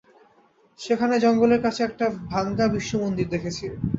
সেখানে জঙ্গলের কাছে একটা ভাঙ্গা বিষ্ণুমন্দির দেখেছি।